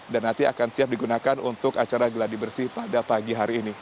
dan nanti akan siap digunakan untuk acara geladi bersih pada pagi hari ini